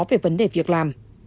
về vấn đề việc làm